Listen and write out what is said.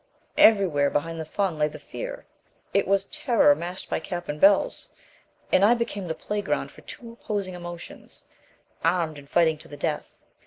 Everywhere behind the fun lay the fear. It was terror masked by cap and bells; and I became the playground for two opposing emotions, armed and fighting to the death.